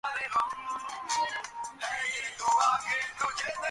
এ কথা শুনিয়া হারানবাবু ছাড়া আর-সকলেই একেবারে চমকিয়া উঠিল।